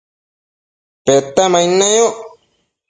Petemaid neyoc